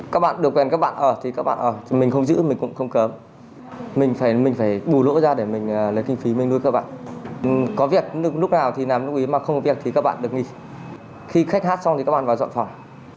khi khách hát xong thì các bạn vào dọn phòng